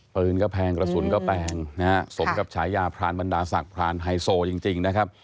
ปืนก็แพงกระสุนก็แพงนะฮะสมกับฉายาพรานบรรดาศักดิ์พรานไฮโซจริงนะครับ